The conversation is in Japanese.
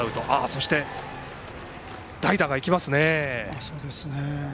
そして、代打がいきますね。